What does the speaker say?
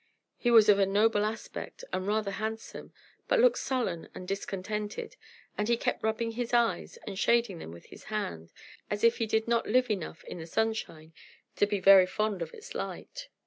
He was of a noble aspect, and rather handsome, but looked sullen and discontented; and he kept rubbing his eyes and shading them with his hand, as if he did not live enough in the sunshine to be very fond of its light.